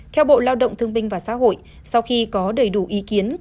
theo bộ lao động thương binh và xã hội sau khi có đầy đủ ý kiến